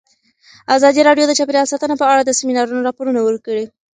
ازادي راډیو د چاپیریال ساتنه په اړه د سیمینارونو راپورونه ورکړي.